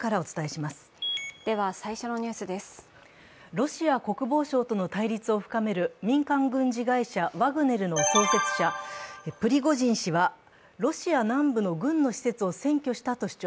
ロシア国防省との対立を深める民間軍事会社ワグネルの創設者、プリゴジン氏は、ロシア南部の軍の施設を占拠したと主張。